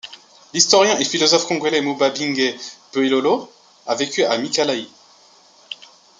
L'historien et philosophe congolais Mubabinge Bilolo a vécu à Mikalayi.